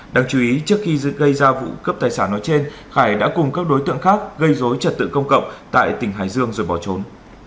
đáng chú ý trước khi gây ra vụ cướp tài sản nói trên khải đã cùng các đối tượng khác gây dối trật tự công cộng tại tỉnh hải dương rồi bỏ trốn